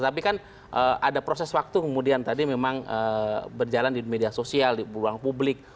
tapi kan ada proses waktu kemudian tadi memang berjalan di media sosial di ruang publik